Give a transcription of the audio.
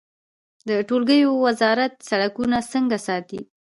د ټولګټو وزارت سړکونه څنګه ساتي؟